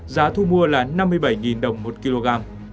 giá thu mua là năm mươi bảy đồng một kg